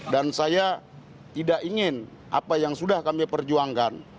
dan saya tidak ingin apa yang sudah kami perjuangkan